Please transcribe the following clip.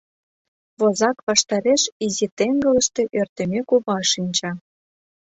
Возак ваштареш изи теҥгылыште Ӧртӧмӧ кува шинча.